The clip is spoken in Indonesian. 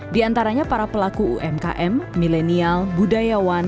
di antaranya para pelaku umkm milenial budayawan